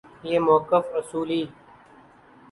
یہ موقف اصولی